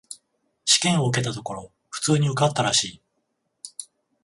試験を受けたところ、普通に受かったらしい。